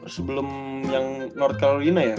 sebelum yang north calolina ya